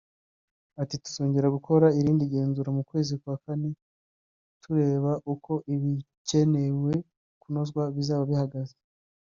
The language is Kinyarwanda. Ati “Tuzongera gukora irindi genzura mu kwezi kwa kane tureba uko ibikenewe kunozwa bizaba bihagaze